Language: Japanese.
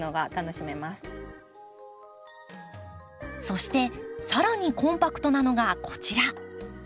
そして更にコンパクトなのがこちら。